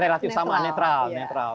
relatif sama netral